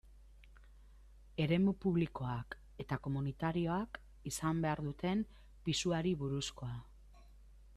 Eremu publikoak eta komunitarioak izan behar duten pisuari buruzkoa.